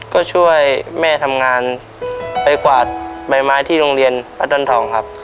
ก็ช่วยแม่ทำงานไปกวาดใบไม้ที่โรงเรียนพระดอนทองครับ